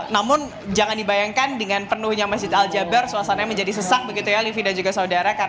namun jangan dibayangkan dengan penuhnya masjid al jabar suasananya menjadi sesak begitu ya livi dan juga saudara